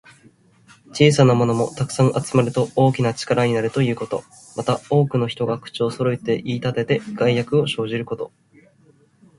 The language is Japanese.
小さなものも、たくさん集まると大きな力になるということ。また、多くの人が口をそろえて言いたてて、害悪を生じること。